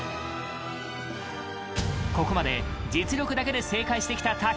ここまで実力だけで正解してきた健。